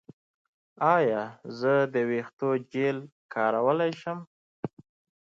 ایا زه د ویښتو جیل کارولی شم؟